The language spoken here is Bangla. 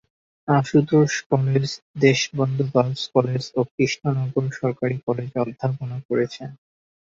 Ashutosh college, Deshbandhu girls college ও কৃষ্ণনগর সরকারি কলেজে অধ্যাপনা করেছেন।